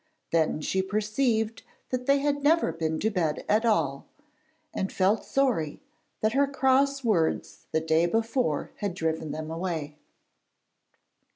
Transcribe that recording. Then she perceived that they had never been to bed at all, and felt sorry that her cross words the day before had driven them away.